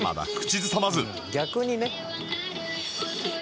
逆にね。